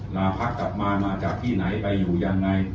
ลาพักกลับมามาจากที่ไหนไปอยู่ยังไง